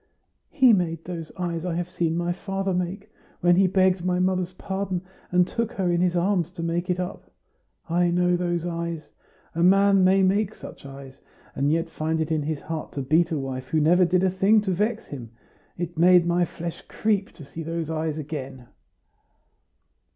"He made those eyes I have seen my father make, when he begged my mother's pardon and took her in his arms to make it up. I know those eyes. A man may make such eyes, and yet find it in his heart to beat a wife who never did a thing to vex him! It made my flesh creep to see those eyes again."